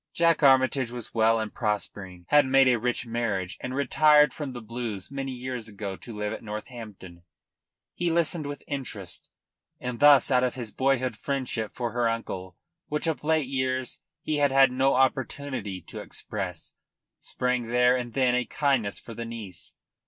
Jack Armytage was well and prospering, had made a rich marriage and retired from the Blues many years ago to live at Northampton. He listened with interest, and thus out of his boyhood friendship for her uncle, which of late years he had had no opportunity to express, sprang there and then a kindness for the niece.